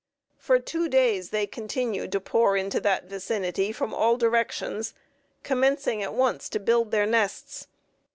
For two days they continued to pour into that vicinity from all directions, commencing at once to build their nests.